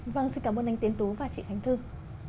vâng xin cảm ơn anh tiến tú và chị khánh thư